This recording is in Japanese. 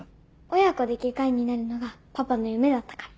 親子で外科医になるのがパパの夢だったから。